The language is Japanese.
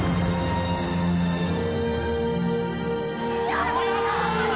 やったー！